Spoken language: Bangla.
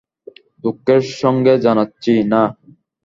দুঃখের সঙ্গে জানাচ্ছি, না।